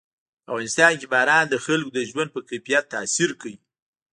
په افغانستان کې باران د خلکو د ژوند په کیفیت تاثیر کوي.